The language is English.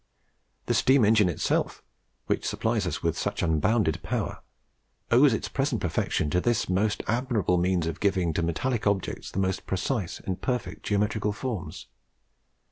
The steam engine itself, which supplies us with such unbounded power, owes its present perfection to this most admirable means of giving to metallic objects the most precise and perfect geometrical forms.